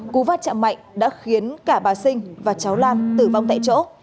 cú va chạm mạnh đã khiến cả bà sinh và cháu lan tử vong tại chỗ